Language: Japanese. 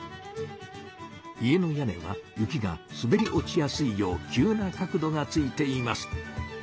家の屋根は雪がすべり落ちやすいよう急な角度がついています。